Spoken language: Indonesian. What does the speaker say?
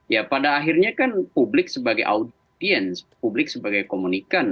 ya pada akhirnya kan publik sebagai audience publik sebagai komunikan